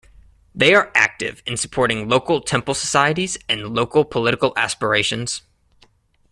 They are active in supporting local Temple societies and local political aspirations.